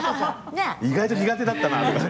意外と苦手だったなとか。